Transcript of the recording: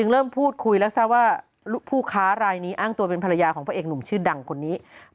เริ่มพูดคุยแล้วทราบว่าผู้ค้ารายนี้อ้างตัวเป็นภรรยาของพระเอกหนุ่มชื่อดังคนนี้